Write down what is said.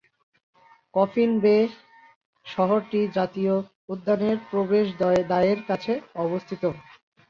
Coffin Bay শহরটি জাতীয় উদ্যানের প্রবেশদ্বারের কাছে অবস্থিত।